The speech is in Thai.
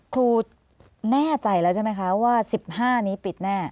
ครูแน่ใจแล้วใช่ไหมคะว่า๑๕นี้ปิดแน่